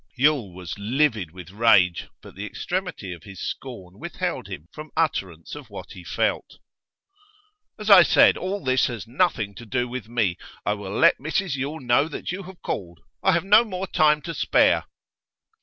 Yule was livid with rage, but the extremity of his scorn withheld him from utterance of what he felt. 'As I said, all this has nothing to do with me. I will let Mrs Yule know that you have called. I have no more time to spare.